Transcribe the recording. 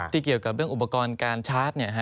เกี่ยวกับเรื่องอุปกรณ์การชาร์จ